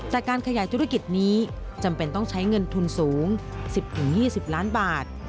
แต่การขยายธุรกิจนี้จำเป็นต้องใช้เงินทุนสูง๑๐๒๐ล้านบาท